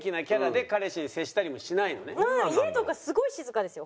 家とかすごい静かですよ